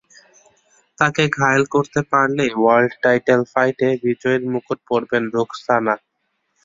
তাঁকে ঘায়েল করতে পারলেই ওয়ার্ল্ড টাইটেল ফাইটে বিজয়ীর মুকুট পরবেন রুখসানা।